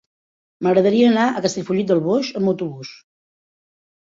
M'agradaria anar a Castellfollit del Boix amb autobús.